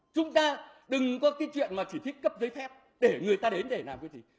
chúng ta đừng có cái chuyện mà chỉ thích cấp giấy phép để người ta đến để làm cái gì